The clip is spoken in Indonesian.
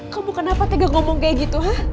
kamu kenapa tidak ngomong kayak gitu ha